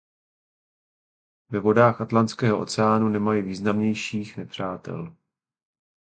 Ve vodách Atlantského oceánu nemají významnějších nepřátel.